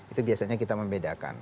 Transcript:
itu biasanya kita membedakan